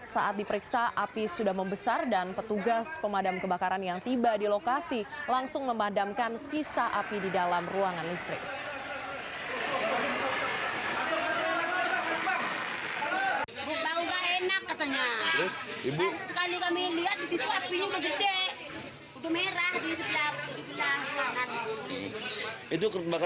saat diperiksa api sudah membesar dan petugas pemadam kebakaran yang tiba di lokasi langsung memadamkan sisa api di dalam ruangan listrik